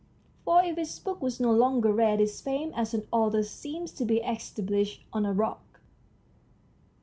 For if his book was no longer read his fame as an author seemed to be established on a rock.